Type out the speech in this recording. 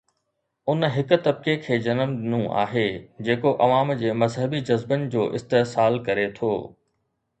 ان هڪ طبقي کي جنم ڏنو آهي جيڪو عوام جي مذهبي جذبن جو استحصال ڪري ٿو.